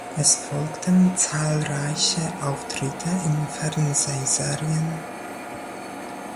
Es folgten zahlreiche Auftritte in Fernsehserien.